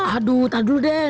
aduh tahan dulu deh